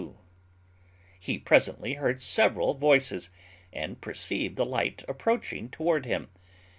_ He presently heard several voices, and perceived the light approaching toward him.